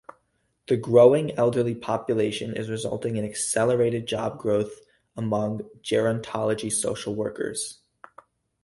The growing elderly population is resulting in accelerated job growth among gerontology social workers.